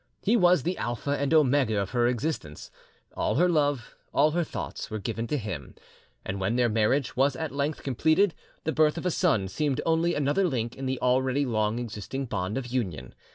He was the Alpha and Omega of her existence; all her love, all her thoughts, were given to him, and when their marriage was at length completed, the birth of a son seemed only another link in the already long existing bond of union.